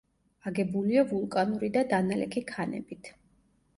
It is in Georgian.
აგებულია ვულკანური და დანალექი ქანებით.